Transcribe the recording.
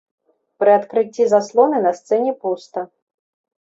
Пры адкрыцці заслоны на сцэне пуста.